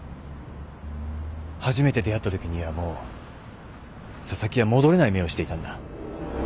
初めて出会ったときにはもう紗崎は戻れない目をしていたんだ。